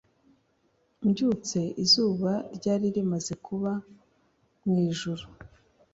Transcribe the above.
Mbyutse izuba ryari rimaze kuba mwijuru